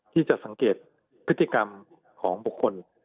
ที่จะสังเกตพฤติกรรมของบุคคล